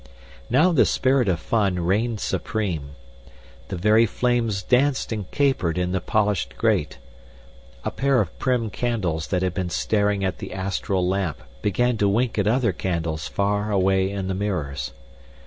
Now the spirit of fun reigned supreme. The very flames danced and capered in the polished grate. A pair of prim candles that had been staring at the astral lamp began to wink at other candles far away in the mirrors.